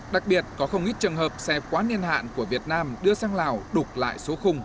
đặc biệt có không ít trường hợp xe quá niên hạn của việt nam đưa sang lào đục lại số khung